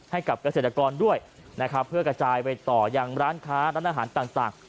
ให้กับเกษตรกรด้วยนะครับเพื่อกระจายไปต่อยังร้านค้าร้านอาหารต่าง